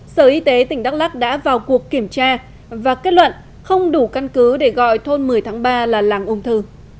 sở y tế tỉnh đắk lắc đã vào cuộc kiểm tra và kết luận không đủ căn cứ để gọi thôn một mươi tháng ba là làng ung thư